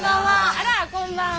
あらこんばんは。